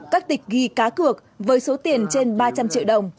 các tịch ghi cá cược với số tiền trên ba trăm linh triệu đồng